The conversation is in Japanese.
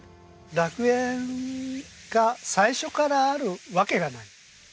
楽園が最初からあるわけがない。